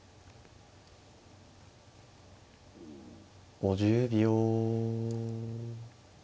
５０秒。